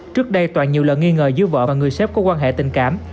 trước đây toàn nhiều lần nghi ngờ giữa vợ và người xếp có quan hệ tình cảm